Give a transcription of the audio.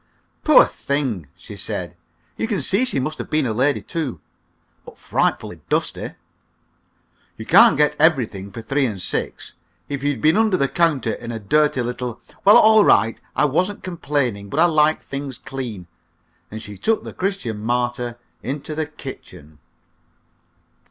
"Poor thing!" she said. "You can see she must have been a lady, too. But frightfully dusty!" "You can't get everything for three and six. If you'd been under the counter in a dirty little " "Well, all right! I wasn't complaining; but I like things clean." And she took the "Christian Martyr" into the kitchen.